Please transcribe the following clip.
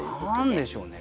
何でしょうね